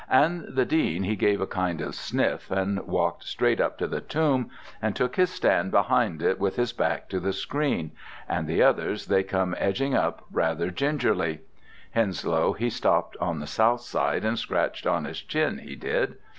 and the Dean he gave a kind of sniff, and walked straight up to the tomb, and took his stand behind it with his back to the screen, and the others they come edging up rather gingerly. Henslow, he stopped on the south side and scratched on his chin, he did.